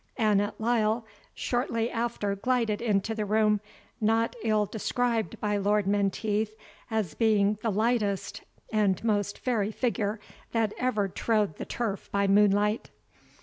Annot Lyle shortly after glided into the room, not ill described by Lord Menteith as being the lightest and most fairy figure that ever trode the turf by moonlight.